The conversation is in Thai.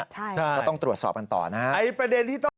ก็ต้องตรวจสอบกันต่อนะครับ